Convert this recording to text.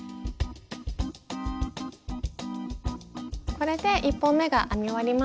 これで１本めが編み終わりました。